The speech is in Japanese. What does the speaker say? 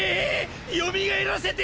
よみがえらせて！